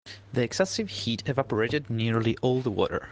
The excessive heat evaporated nearly all the water.